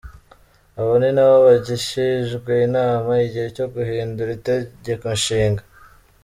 Abo ni n’abo bagishijwe inama, igihe cyo guhindura Itegekonshinga.